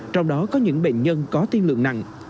trong đó có những bệnh nhân có tiên lượng nặng